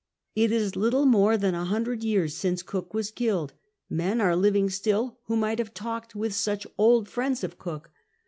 It is little more than a hundred years since Cook was killed ; men are living still who might have talked with such old friends of Cook.